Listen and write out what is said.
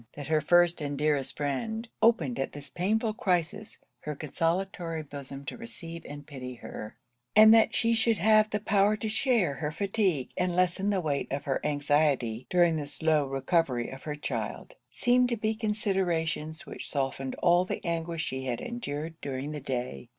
That her first and dearest friend, opened at this painful crisis her consolatory bosom to receive and pity her; and that she should have the power to share her fatigue, and lessen the weight of her anxiety during the slow recovery of her child; seemed to be considerations which softened all the anguish she had endured during the day.